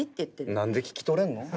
何で聞き取れんの？